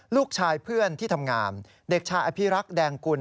ลูกชายเพื่อนที่ทำงานเด็กชายอภิรักษ์แดงกุล